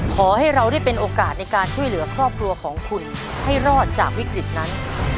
ขอให้เราได้เป็นโอกาสในการช่วยเหลือครอบครัวของคุณให้รอดจากวิกฤตนั้น